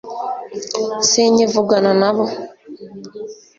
sinkivugana nabo